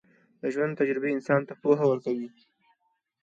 د ژوند تجربې انسان ته پوهه ورکوي.